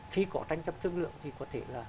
khi có tranh chấp thương lượng thì có thể là